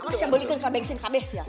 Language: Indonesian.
kamu siapa beli bensin kabeh sih ya